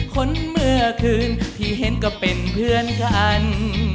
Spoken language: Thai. คนเมื่อคืนที่เห็นก็เป็นเพื่อนกัน